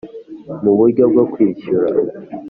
Mu buryo bwo kwishyura